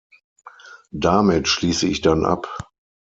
Damit schließe ich dann ab.